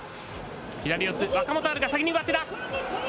左四つ、若元春が先に上手だ。